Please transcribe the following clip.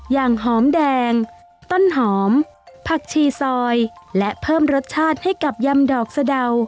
อย่างหอมแดงต้นหอมผักชีซอยและเพิ่มรสชาติให้กับยำดอกสะเดา